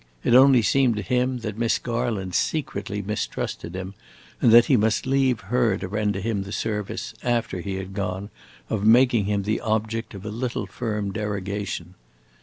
It only seemed to him that Miss Garland secretly mistrusted him, and that he must leave her to render him the service, after he had gone, of making him the object of a little firm derogation.